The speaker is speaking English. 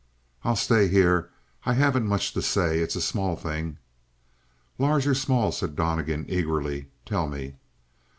"I'll stay here; I haven't much to say. It's a small thing." "Large or small," said Donnegan eagerly. "Tell me!"